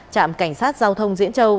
trạm cảnh sát giao thông diễn châu